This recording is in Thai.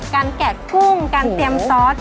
แกะกุ้งการเตรียมซอส